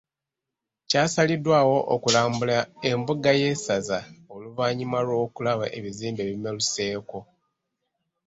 Kyasaliddwawo okulambula embuga y’essaza oluvannyuma lw’okulaba ebizimbe ebimeruseeko.